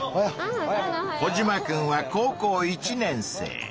コジマくんは高校１年生。